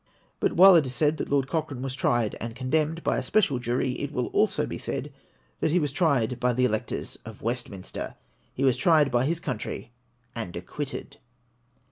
But while it is said that Lord Cochrane was tried and con demned by a special jury, it will also be said that he was tried by the electors of Westminster; he Avas tried by his country and acquitted.